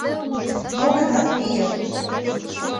Мо-гынат лийын.